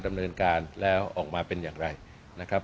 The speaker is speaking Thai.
ดำเนินการแล้วออกมาเป็นอย่างไรนะครับ